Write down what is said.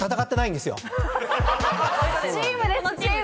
チームですチーム。